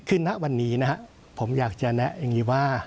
คือณวันนี้นะครับผมอยากจะแนะอย่างนี้ว่า